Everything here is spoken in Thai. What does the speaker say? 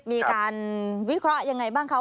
มีการวิเคราะห์ยังไงบ้างคะ